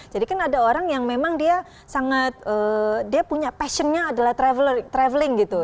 kan ada orang yang memang dia sangat dia punya passionnya adalah traveling gitu